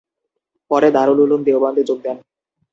পরে দারুল উলুম দেওবন্দে যোগ দেন।